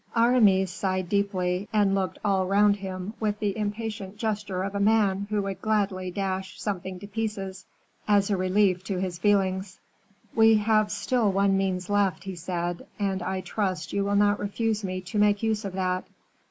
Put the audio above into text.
Aramis sighed deeply, and looked all round him with the impatient gesture of a man who would gladly dash something to pieces, as a relief to his feelings. "We have still one means left," he said; "and I trust you will not refuse me to make use of that."